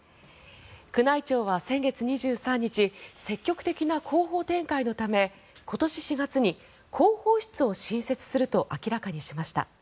宮内庁は先月２３日積極的な広報展開のため今年４月に広報室を新設すると明らかにしました。